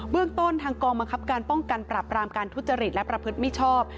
เรื่องต้นทางกองบังคับการป้องกันปรับรามการทุจริตและประพฤติมิชชอบ